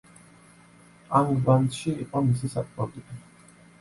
ანგბანდში იყო მისი საპყრობილე.